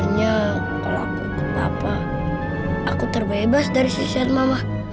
benarnya kalau aku ikut papa aku terbebas dari seseorang mama